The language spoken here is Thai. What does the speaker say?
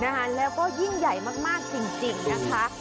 แล้วก็ยิ่งใหญ่มากจริงนะคะ